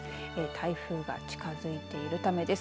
台風が近づいているためです。